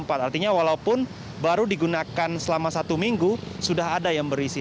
artinya walaupun baru digunakan selama satu minggu sudah ada yang berisi